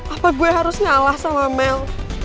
apa gue harus nyalah sama mel